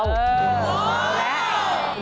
และ